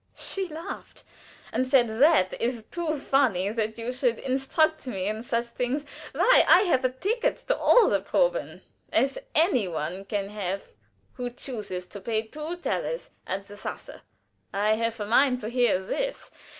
She laughed, and said: "That is too funny, that you should instruct me in such things. Why, I have a ticket for all the proben, as any one can have who chooses to pay two thalers at the sasse. I have a mind to hear this.